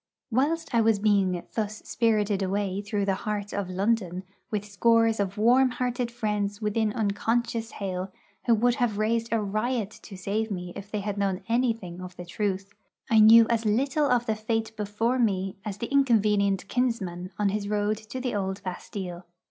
Whilst I was being thus spirited away through the heart of London, with scores of warm hearted friends within unconscious hail who would have raised a riot to save me if they had known anything of the truth, I knew as little of the fate before me as the inconvenient kinsman on his road to the old Bastille.